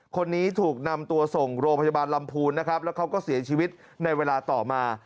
คนนี้ถูกนำตัวส่งโรงพยาบาลลำพูนนะครับแล้วเขาก็เสียชีวิตในเวลาต่อมา